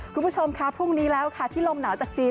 คุณผู้ชมค่ะพรุ่งนี้แล้วค่ะที่ลมหนาวจากจีน